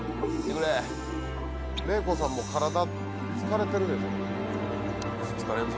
怜子さんも体疲れてるでこれ。